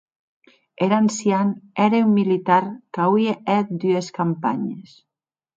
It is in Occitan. Er ancian ère un militar qu'auie hèt dues campanhes.